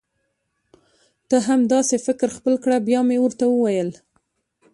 ته هم دا سي فکر خپل کړه بیا مي ورته وویل: